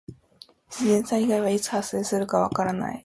自然災害はいつ発生するかわからない。